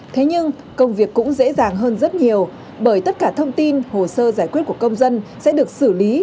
thế nhưng công việc cũng dễ dàng hơn rất nhiều bởi tất cả thông tin hồ sơ giải quyết của công dân sẽ được xử lý